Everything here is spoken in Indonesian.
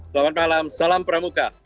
selamat malam salam pramuka